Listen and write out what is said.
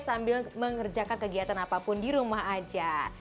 sambil mengerjakan kegiatan apapun di rumah aja